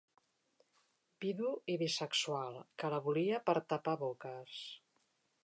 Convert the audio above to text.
Vidu i bisexual, que la volia per tapar boques.